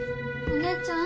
お姉ちゃん！